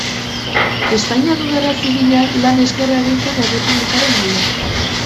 Espainiako Gerra Zibilean lan eskerga egin zuen Errepublikaren alde.